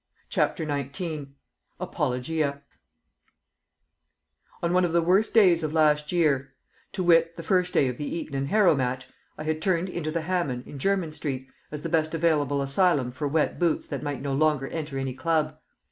CHAPTER XIX Apologia On one of the worst days of last year, to wit the first day of the Eton and Harrow match, I had turned into the Hamman, in Jermyn Street, as the best available asylum for wet boots that might no longer enter any club.